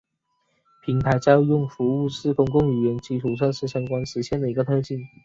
平台叫用服务是公共语言基础设施相关实现的一个特性。